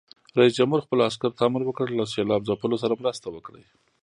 رئیس جمهور خپلو عسکرو ته امر وکړ؛ له سېلاب ځپلو سره مرسته وکړئ!